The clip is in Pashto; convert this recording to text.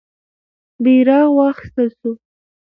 بیرغ واخیستل سو.